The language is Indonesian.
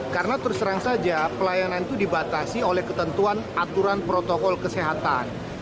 karena terserang saja pelayanan itu dibatasi oleh ketentuan aturan protokol kesehatan